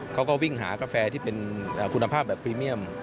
เขาก็วิ่งหากาแฟที่เป็นคุณภาพแบบพรีเมียม